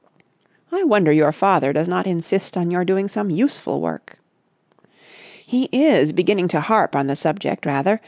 "I wonder your father does not insist on your doing some useful work." "He is beginning to harp on the subject rather.